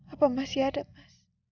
apa masih ada mas